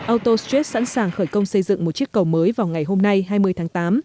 autostrat sẵn sàng khởi công xây dựng một chiếc cầu mới vào ngày hôm nay hai mươi tháng tám